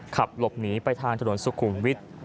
ขับหลบหนีไปทางถนนสุขุมวิทย์